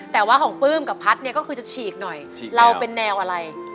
แต่ว่าของปลื้มกับพัฒน์เนี่ยก็คือจะฉีกหน่อยเราเป็นแนวอะไร